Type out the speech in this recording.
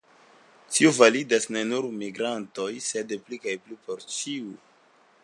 Tio validas ne nur por migrantoj, sed pli kaj pli por ĉiu.